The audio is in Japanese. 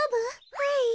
はい。